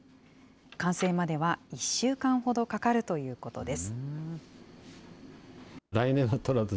完成までは１週間ほどかかるということです。